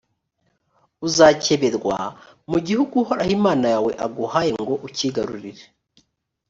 uzakeberwa mu gihugu uhoraho imana yawe aguhaye ngo ukigarurire.